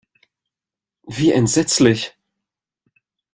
Wie entsetzlich!